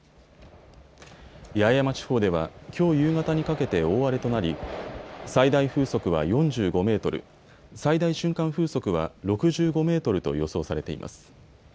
八重山地方では、きょう夕方にかけて大荒れとなり最大風速は４５メートル、最大瞬間風速は６５メートルと予想されています。